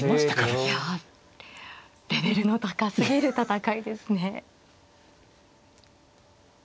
いやレベルの高すぎる戦いですね。